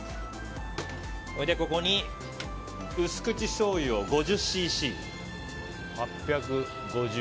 そして、ここに薄口しょうゆを５０ｃｃ。